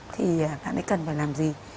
thì bạn ấy cần phải làm gì